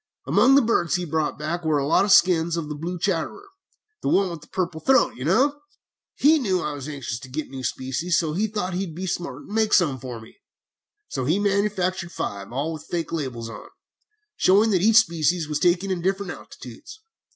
Among the birds he brought back were a lot of skins of the blue chatterer the one with the purple throat, you know. He knew I was anxious to get new species, so he thought he would be smart and make some for me. So he manufactured five, all with faked labels on, showing that each species was taken at different altitudes.